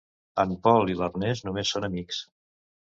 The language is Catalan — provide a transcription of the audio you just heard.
En Pol i l'Ernest només són amics.